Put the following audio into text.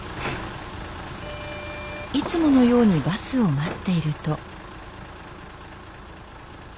いつものようにバスを待っていると。